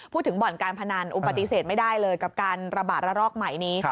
พูดถึงบอสการประนานโอบติเศษไม่ได้เลยกับการระบาดระรอกใหม่นี้